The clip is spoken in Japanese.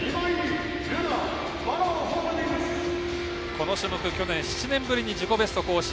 この種目、去年７年ぶりに自己ベストを更新。